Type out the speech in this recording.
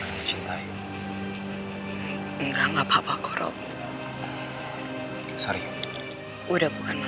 soal tau pada semuanya